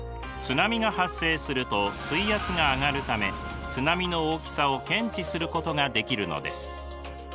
津波が発生すると水圧が上がるため津波の大きさを検知することができるのです。